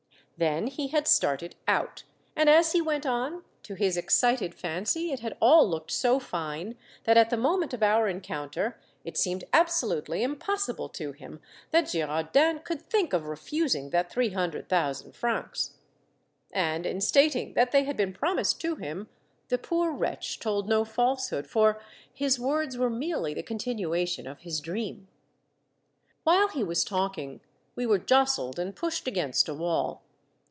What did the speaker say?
Then he had started out, and as he went on, to his excited fancy it had all looked so fine that at the moment of our encounter it seemed absolutely impossible to him that Girardin could think of refusing that three hundred thous and francs. And in stating that they had been promised to him the poor wretch told no false hood, for his words were merely the continuation of his dream. While he was talking, we were jostled and pushed against a wall.